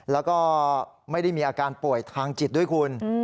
แล้วก็ไม่ได้มีอาการป่วยทางจิตด้วยคุณ